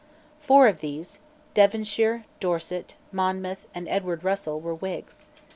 Four of these, Devonshire, Dorset, Monmouth, and Edward Russell, were Whigs.